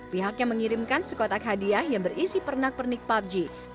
pihaknya mengirimkan sekotak hadiah yang berisi pernak pernik pubg